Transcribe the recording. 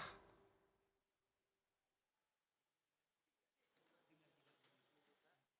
dan di tengah perlambatan pertumbuhan uln sektor swasta